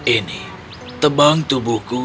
ini tebang tubuhku